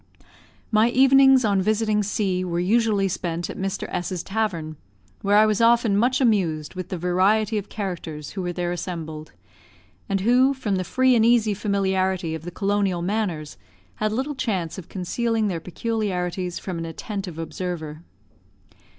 My evenings on visiting C were usually spent at Mr. S 's tavern, where I was often much amused with the variety of characters who were there assembled, and who, from the free and easy familiarity of the colonial manners, had little chance of concealing their peculiarities from an attentive observer.